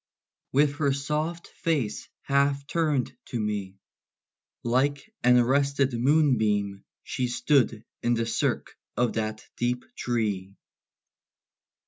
With her soft face half turned to me, Like an arrested moonbeam, she Stood in the cirque of that deep tree.